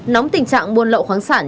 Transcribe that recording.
nóng tình trạng buôn lậu khoáng sản